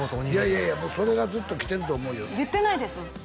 いやいやそれがずっと来てると思うよ言ってないですもん